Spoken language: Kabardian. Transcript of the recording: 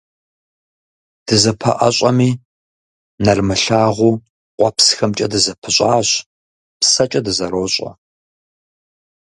Дызэпэӏэщӏэми, нэрымылъагъу къуэпсхэмкӏэ дызэпыщӏащ, псэкӏэ дызэрощӏэ.